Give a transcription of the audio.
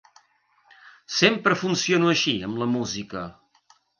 Sempre funciono així amb la música.